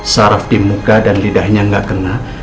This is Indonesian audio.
saraf di muka dan lidahnya nggak kena